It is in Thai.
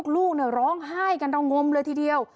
ลูกร้องไห้กันระงมเลยทีเดียว